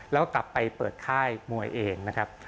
แล้วกลับไปเปิดค่ายมวยเองนะครับ